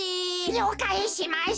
りょうかいしましたっと。